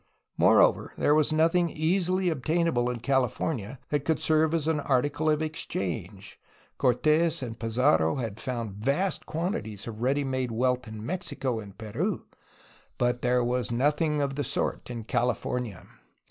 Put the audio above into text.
Moreover, there was nothing easily obtainable in CaUfomia that could serve as an article of ex 6 A HISTORY OF CALIFORNIA change. Cortes and Pizarro had found vast quantities of ready made wealth in Mexico and Peru, but there was nothing of the sort in CaUfomia.